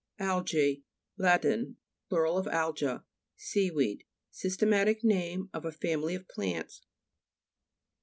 AL'GJE Lat. plur. of alga. Seaweed. Systematic name of a family of plants.